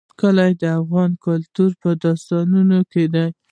کلي د افغان کلتور په داستانونو کې دي.